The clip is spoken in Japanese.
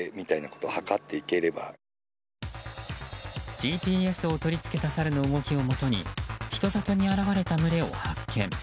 ＧＰＳを取り付けたサルの動きをもとに人里に現れた群れを発見。